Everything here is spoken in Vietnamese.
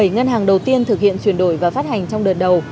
bảy ngân hàng đầu tiên thực hiện chuyển đổi và phát hành trong đợt đầu